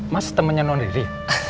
mas temennya non riri